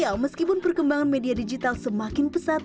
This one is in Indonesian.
ya meskipun perkembangan media digital semakin pesat